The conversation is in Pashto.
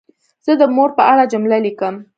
زه د مور په اړه جمله لیکم.